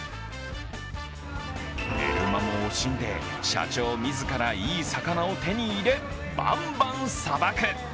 寝る間も惜しんで、社長みずからいい魚を手に入れ、バンバンさばく。